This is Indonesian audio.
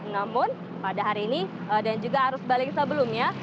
namun pada hari ini dan juga arus balik sebelumnya